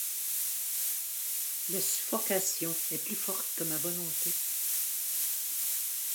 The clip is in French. La suffocation est plus forte que ma volonté.